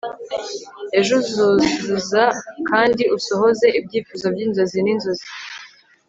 ejo uzuzuza kandi usohoze ibyifuzo byinzozi ninzozi